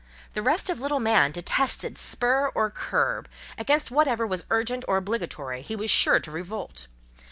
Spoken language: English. The restive little man detested spur or curb: against whatever was urgent or obligatory, he was sure to revolt.